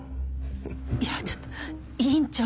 いやちょっと院長。